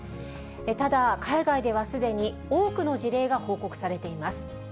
ただ、海外ではすでに多くの事例が報告されています。